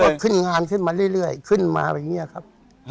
ก็ขึ้นงานขึ้นมาเรื่อยขึ้นมาแบบนี้ครับ